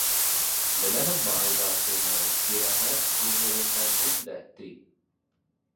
- Беләһеңме, Айҙар, - тине ул, - Кирәмәт емерелмәһен дә, ти.